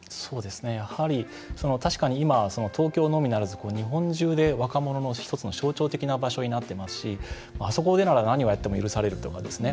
やはり、確かに今東京のみならず日本中で若者の１つの象徴的な場所になっていますしあそこでなら何をやっても許されるとかですね